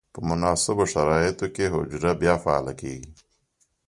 په مناسبو شرایطو کې حجره بیا فعاله کیږي.